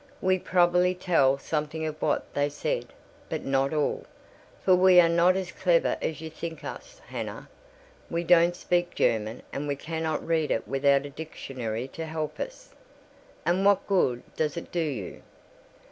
"We could probably tell something of what they said, but not all—for we are not as clever as you think us, Hannah. We don't speak German, and we cannot read it without a dictionary to help us." "And what good does it do you?"